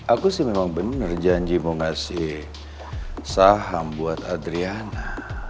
aku sih memang benar janji mau ngasih saham buat adriana